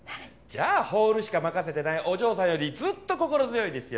じゃあホールしか任せてないお嬢さんよりずっと心強いですよ。